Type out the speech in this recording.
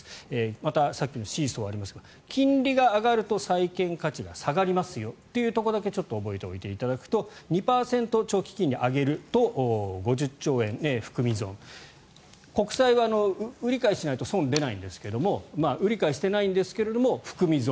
またさっきのシーソーがありますが金利が上がると債券価値が下がりますよというところだけちょっと覚えておいていただくと２％、長期金利を上げると５０兆円、含み損国債は売り買いしないと損が出ないんですけども売り買いしてないんですが含み損